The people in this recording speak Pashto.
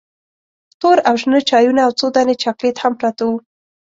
تور او شنه چایونه او څو دانې چاکلیټ هم پراته وو.